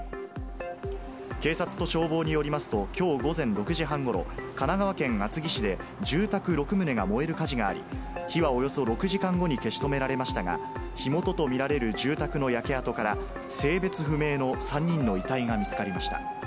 警察と消防によりますと、きょう午前６時半ごろ、神奈川県厚木市で、住宅６棟が燃える火事があり、火はおよそ６時間後に消し止められましたが、火元と見られる住宅の焼け跡から、性別不明の３人の遺体が見つかりました。